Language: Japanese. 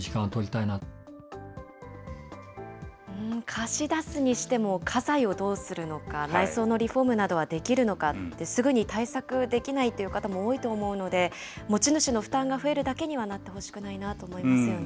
貸し出すにしても家財をどうするのか、内装のリフォームなどはできるのかって、すぐに対策できないっていう方も多いと思うので、持ち主の負担が増えるだけにはなってほしくないなと思いますよね。